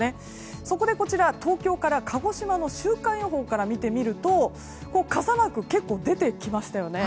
そこで東京から鹿児島の週間予報から見てみると傘マーク結構出てきましたよね。